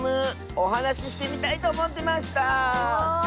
おはなししてみたいとおもってました。